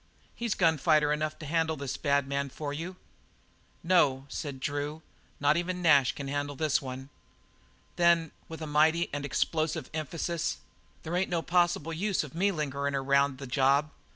He's gun fighter enough to handle this bad man for you." "No," said Drew, "not even Nash can handle this one." "Then" with a mighty and explosive emphasis "there ain't no possible use of me lingering around the job.